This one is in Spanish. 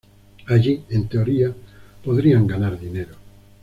Allí, en teoría, podrían ganar dinero.